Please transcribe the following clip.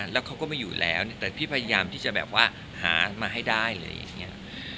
แล้วเขาก็ไม่อยู่แล้วแต่พี่พยายามที่จะแบบว่าหามาให้ได้อะไรอย่างนี้